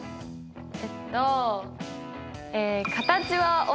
えっと。